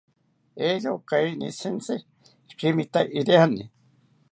Eeroka kainishitzi kimataka iriani